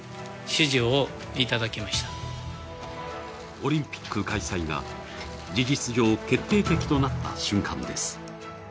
オリンピック開催が事実上、決定的となった瞬間です。